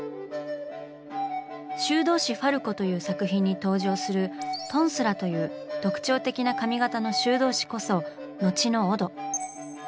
「修道士ファルコ」という作品に登場するトンスラという特徴的な髪型の修道士こそ後のオド。